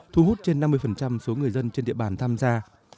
thu hút trên năm mươi số người dân trên địa bàn tham gia